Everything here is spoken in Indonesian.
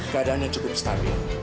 keadaannya cukup stabil